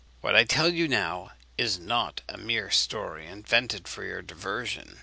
What I tell you now is not a mere story invented for your diversion: M.